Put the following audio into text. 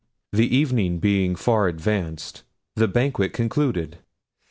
The evening being far advanced, the banquet concluded.